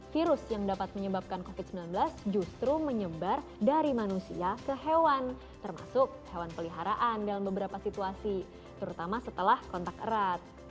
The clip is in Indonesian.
virus yang dapat menyebabkan covid sembilan belas justru menyebar dari manusia ke hewan termasuk hewan peliharaan dalam beberapa situasi terutama setelah kontak erat